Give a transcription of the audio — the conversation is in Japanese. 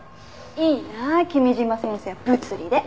いいなあ君嶋先生は物理で。